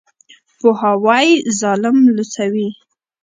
پوهاوی ظالم لوڅوي.